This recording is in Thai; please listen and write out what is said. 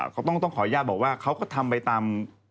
เขาต้องขออนุญาตบอกว่าเขาก็ทำไปตาม